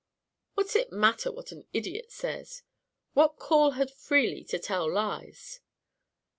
What's it matter what an idiot says? What call had Freely to tell lies?"